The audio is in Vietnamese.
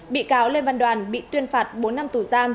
bị cáo lê văn đoàn bị tuyên phạt bốn năm tù giam